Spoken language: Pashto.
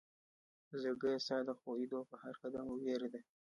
زړګيه ستا د خوئيدو په هر قدم وئيره ده